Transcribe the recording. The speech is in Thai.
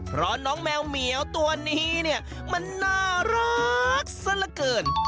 เพราะน้องแมวเหมียวตัวนี้เนี่ยมันน่ารักซะละเกิน